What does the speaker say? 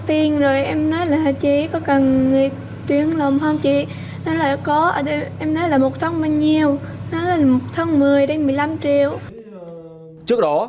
trước đó em đã được công an xã thanh an huyện minh long phối hợp với công an xã thanh an